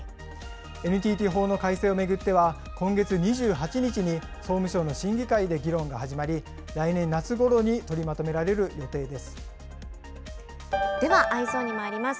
ＮＴＴ法の改正を巡っては、今月２８日に総務省の審議会で議論が始まり、来年夏ごろに取りまでは、Ｅｙｅｓｏｎにまいります。